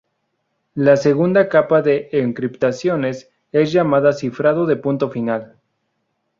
La segunda capa de encriptación es llamada cifrado de punto final.